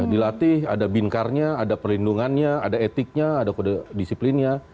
dilatih ada binkarnya ada perlindungannya ada etiknya ada kode disiplinnya